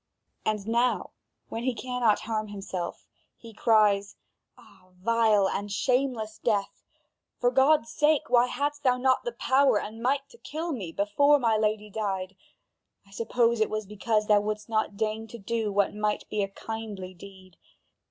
And now when he cannot harm himself, he cries: "Ah, vile and shameless death! For God's sake, why hadst thou not the power and might to kill me before my lady died? I suppose it was because thou wouldst not deign to do what might be a kindly deed.